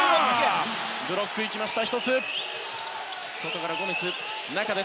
ブロックに行きました。